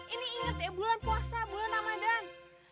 ini inget ya bulan puasa bulan ramadhan